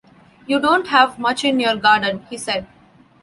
“You don’t have much in your garden,” he said.